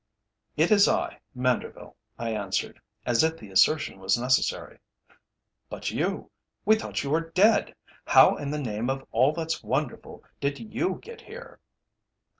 "It is I, Manderville," I answered, as if the assertion were necessary. "But you we thought you were dead. How in the name of all that's wonderful, did you get here?"